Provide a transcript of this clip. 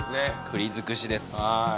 栗尽くしです